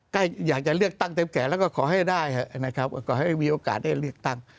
ใกล้อยากจะเลือกตั้งเต็มแก่แล้วก็ขอให้ได้เถอะนะครับขอให้มีโอกาสได้เลือกตั้ง